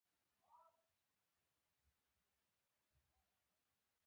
د تاریخ د نا اټکل شوي مسیر له کبله پوهېدل ګران دي.